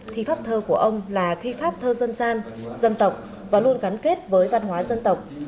thi pháp thơ của ông là thi pháp thơ dân gian dân tộc và luôn gắn kết với văn hóa dân tộc